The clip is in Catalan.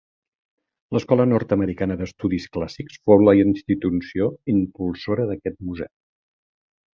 L'Escola Nord-americana d'Estudis Clàssics fou la institució impulsora d'aquest museu.